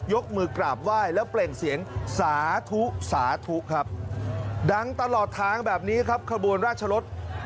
กมือกราบไหว้แล้วเปล่งเสียงสาธุสาธุครับดังตลอดทางแบบนี้ครับขบวนราชรส